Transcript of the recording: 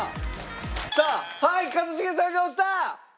さあはい一茂さんが押した！